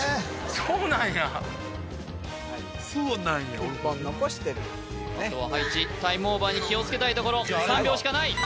そうなんや１本残してるあとは葉一タイムオーバーに気をつけたいところ３秒しかない！